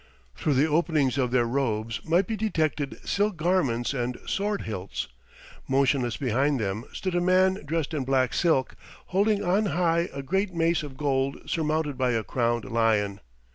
Through the openings of their robes might be detected silk garments and sword hilts. Motionless behind them stood a man dressed in black silk, holding on high a great mace of gold surmounted by a crowned lion.